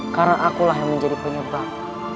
karena akulah yang menjadi penyebab